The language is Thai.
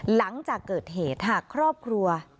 หลังจากเกิดเหตุหากครอบครัว